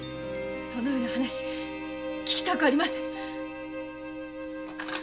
そのような話聞きたくありませぬ！